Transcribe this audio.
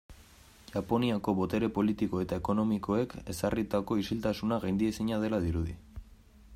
Japoniako botere politiko eta ekonomikoek ezarritako isiltasuna gaindiezina dela dirudi.